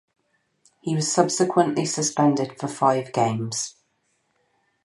He was subsequently suspended for five games.